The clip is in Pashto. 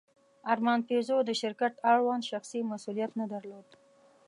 ارمان پيژو د شرکت اړوند شخصي مسوولیت نه درلود.